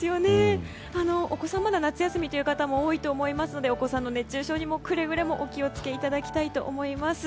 お子さんがまだ夏休みという方も多いと思いますのでお子さんの熱中症にもくれぐれもお気を付けいただきたいと思います。